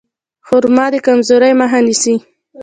خرما د کمزورۍ مخه نیسي.